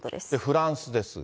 フランスですが。